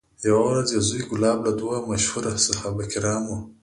یوه ورځ یې زوی کلاب له دوو مشهورو صحابه کرامو